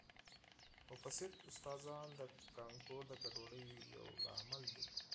مفسد استادان د کانکور د ګډوډۍ یو لامل دي